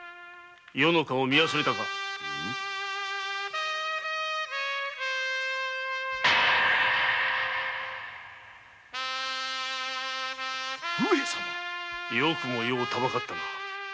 余の顔を見忘れたかあッ上様よくも余をたばかったな。